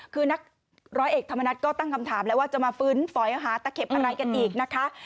คือนักร้อยเอกธรรมนัฐก็ตั้งคำถามแล้วว่าจะมาฟื้นฝอยหาตะเข็บอะไรกันอีกนะคะ